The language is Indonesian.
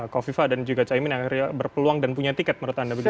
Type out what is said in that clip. kofifa dan juga caimin yang akhirnya berpeluang dan punya tiket menurut anda begitu ya